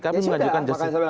ya sudah ya